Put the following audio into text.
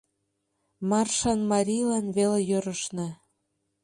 Маршан марийлан веле йӧрышна.